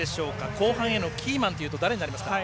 後半へのキーマンというと誰になりますか？